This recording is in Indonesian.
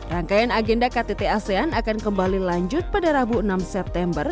rangkaian agenda ktt asean akan kembali lanjut pada rabu enam september